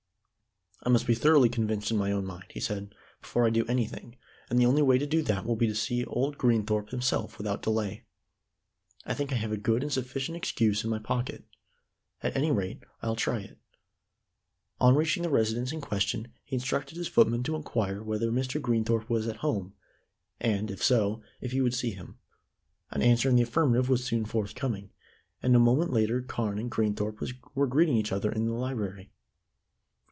"I must be thoroughly convinced in my own mind," he said "before I do anything, and the only way to do that will be to see old Greenthorpe himself without delay. I think I have a good and sufficient excuse in my pocket. At any rate, I'll try it." On reaching the residence in question, he instructed his footman to inquire whether Mr. Greenthorpe was at home, and if so, if he would see him. An answer in the affirmative was soon forthcoming, and a moment later Carne and Greenthorpe were greeting each other in the library.